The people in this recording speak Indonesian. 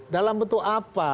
dalam bentuk apa